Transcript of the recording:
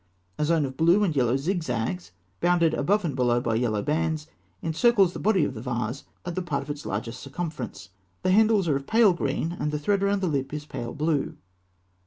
A zone of blue and yellow zigzags, bounded above and below by yellow bands, encircles the body of the vase at the part of its largest circumference. The handles are pale green, and the thread round the lip is pale blue.